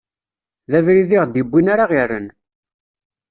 D abrid i ɣ-d-iwwin ara ɣ-irren.